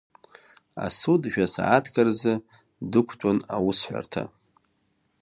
Асуд жә-сааҭк рзы дықәтәон аусҳәарҭа.